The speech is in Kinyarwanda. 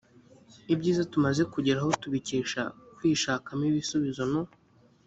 ibyiza tumaze kugeraho tubikesha kwishakamo ibisubizo no